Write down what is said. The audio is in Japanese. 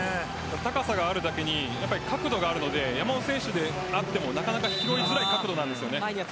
高さがあるだけに角度があるので山本選手であってもなかなか拾いづらい角度なんですよね。